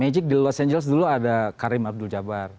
magic di los angeles dulu ada karim abdul jabar